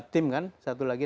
tim kan satu lagi